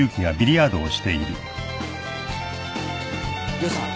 涼さん。